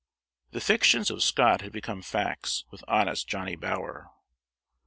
The fictions of Scott had become facts with honest Johnny Bower.